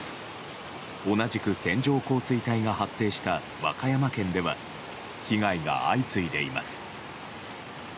同じく線状降水帯が発生した和歌山県では被害が相次いでいます。